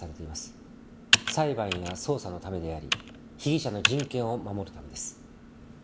裁判や捜査のためであり被疑者の人権を守るためです。